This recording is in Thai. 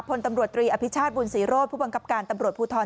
พลตำรวจตรีอภิชาติบุญศรีโรธผู้บังคับการตำรวจภูทร